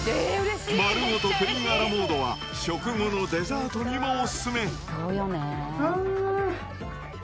丸ごとプリンアラモードは食後のデザートにもお勧め。